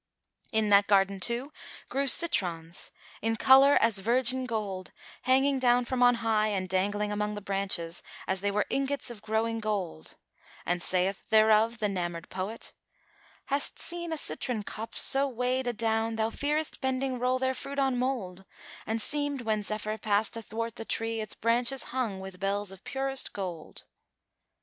'" In that garden too grew citrons, in colour as virgin gold, hanging down from on high and dangling among the branches, as they were ingots of growing gold;[FN#405] and saith thereof the 'namoured poet, "Hast seen a Citron copse so weighed adown * Thou fearest bending roll their fruit on mould; And seemed, when Zephyr passed athwart the tree * Its branches hung with bells of purest gold?"